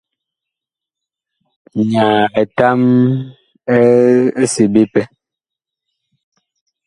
Nyaa etam ɛ seɓe pɛ.